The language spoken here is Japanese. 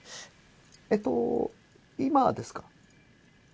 えっと今ですか？